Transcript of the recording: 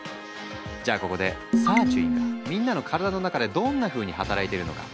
じゃあここでサーチュインがみんなの体の中でどんなふうに働いてるのか。